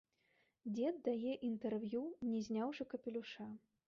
Дзед дае інтэрв'ю, не зняўшы капелюша.